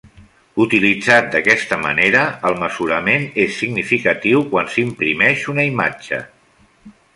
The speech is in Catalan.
Utilitzat d'aquesta manera, el mesurament és significatiu quan s'imprimeix una imatge.